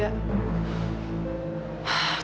aku mau pergi